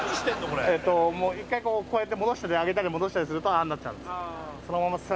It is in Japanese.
これ」１回こうやって戻したり上げたり戻したりするとああなっちゃうんですよ。